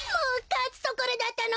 かつところだったのに！